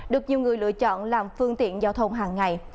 được nhiều người lựa chọn làm phương tiện giao thông hàng ngày